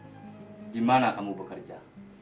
bagaimana kamu bekerja